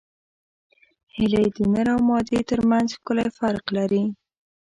هیلۍ د نر او مادې ترمنځ ښکلی فرق لري